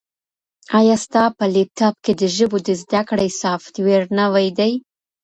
ایا ستا په لیپټاپ کي د ژبو د زده کړې سافټویر نوی دی؟